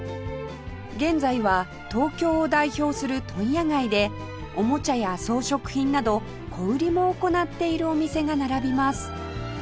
現在は東京を代表する問屋街でおもちゃや装飾品など小売りも行っているお店が並びます